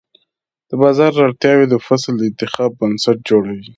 د بازار اړتیاوې د فصل د انتخاب بنسټ جوړوي.